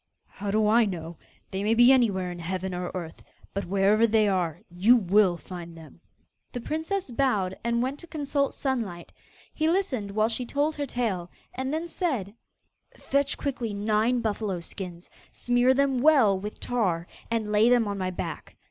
'How do I know? They may be anywhere in heaven or earth; but, wherever they are, you will have to find them.' The princess bowed and went to consult Sunlight. He listened while she told her tale, and then said: 'Fetch quickly nine buffalo skins; smear them well with tar, and lay them on my back.